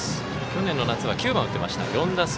去年の夏は９番を打っていました。